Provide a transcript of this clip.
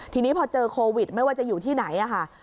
ทีนี้พอเจอโควิดไม่ว่าจะอยู่ที่ไหนค่ะ